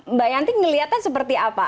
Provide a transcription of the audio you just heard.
mbak yanti ngelihatnya seperti apa